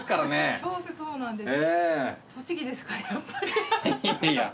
調布そうなんです。